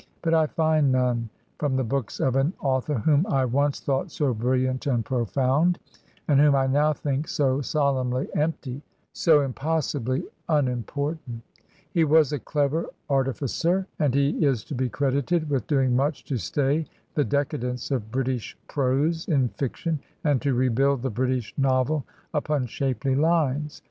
But I find none from the books of an author whom I once thought so brilliant and profound, Ii8 Digitized by VjOOQIC A HEROINE OF BULWER'S and whom I now think so solemnly empty, so impos ingly unimportant. He was a clever artificer, and he is to be credited with doing much to stay the decadence of British prose in fiction, and to rebuild the British novel upon shapely lines.